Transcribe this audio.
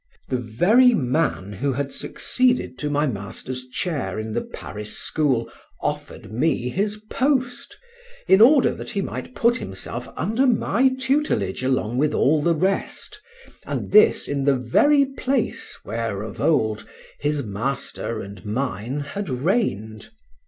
The very man who had succeeded to my master's chair in the Paris school offered me his post, in order that he might put himself under my tutelage along with all the rest, and this in the very place where of old his master and mine had reigned.